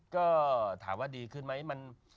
ก็ถามว่าดีขึ้นไหม